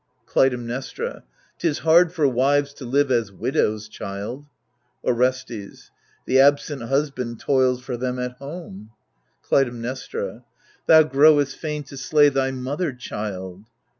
Clytemnestra 'Tis hard for wives to live as widows, child. Orestes The absent husband toils for them at home. Clytemnestra Thou growest fain to slay thy mother, child.